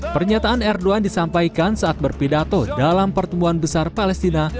pernyataan erdogan disampaikan saat berpidato dalam pertemuan besar palestina